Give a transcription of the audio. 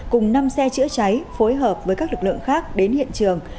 cùng năm xe chữa cháy phối hợp với các lực lượng khác đến hiện trường